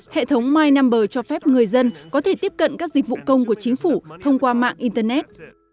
hệ thống mynumber cho phép người dân có thể tiếp cận các dịch vụ công của chính phủ thông qua mạng internet